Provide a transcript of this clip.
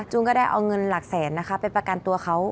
ก็ได้เอาเงินหลักแสนนะคะไปประกันตัวเขา